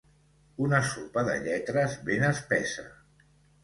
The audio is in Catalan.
Una sopa de lletres ben espessa.